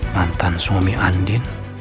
mantan suami andi